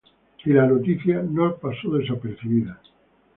Y la noticia no pasó desapercibida.